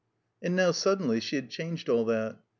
And now, suddenly, she had changed all that.